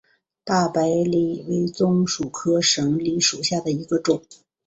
大白藤为棕榈科省藤属下的一个种。